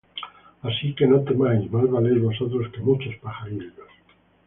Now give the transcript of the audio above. Así que, no temáis: más valéis vosotros que muchos pajarillos.